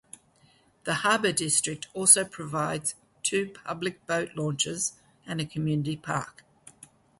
The harbor district also provides two public boat launches and a community park.